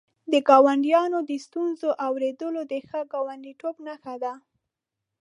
د ګاونډیانو د ستونزو اورېدل د ښه ګاونډیتوب نښه ده.